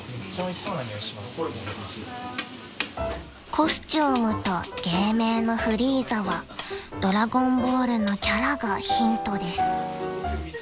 ［コスチュームと芸名の「フリーザ」は『ドラゴンボール』のキャラがヒントです］